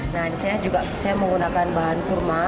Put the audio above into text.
nah disini juga saya menggunakan bahan kurma